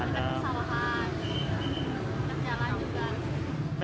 ada kesalahan terjalan juga